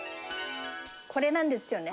これなんですよね。